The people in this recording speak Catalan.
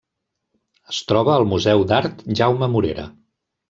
Es troba al Museu d'Art Jaume Morera.